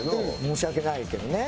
申し訳ないけどね。